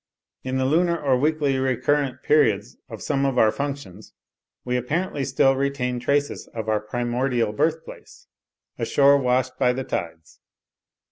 In the lunar or weekly recurrent periods of some of our functions we apparently still retain traces of our primordial birthplace, a shore washed by the tides.